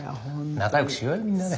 仲よくしようよみんなで。